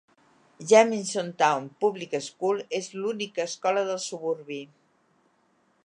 Jaminsontown Public School és l'única escola del suburbi.